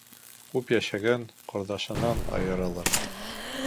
Күп йәшәгән ҡорҙашынан айырылыр